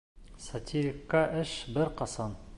Сатирикка эш бер ҡасан